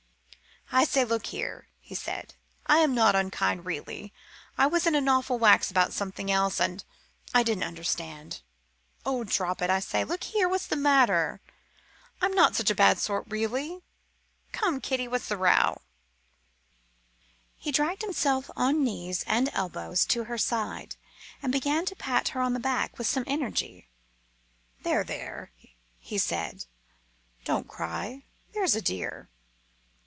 "I say, look here," he said; "I am not unkind, really. I was in an awful wax about something else, and I didn't understand. Oh! drop it. I say, look here, what's the matter? I'm not such a bad sort, really. Come, kiddie, what's the row?" He dragged himself on knees and elbows to her side and began to pat her on the back, with some energy: "There, there," he said; "don't cry, there's a dear.